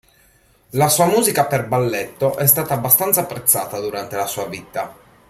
La sua musica per balletto è stata abbastanza apprezzata durante la sua vita.